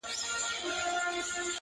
کار تر کار تېر دئ.